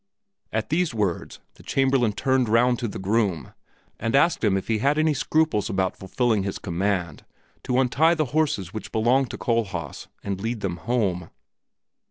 At these words the Chamberlain turned round to the groom and asked him if he had any scruples about fulfilling his command to untie the horses which belonged to Kohlhaas and lead them home.